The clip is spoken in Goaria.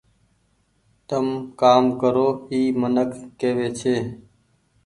تم ڪآم ڪرو اي منڪ ڪيوي ڇي۔